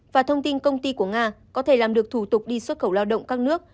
và thông tin công ty của nga có thể làm được thủ tục đi xuất khẩu lao động các nước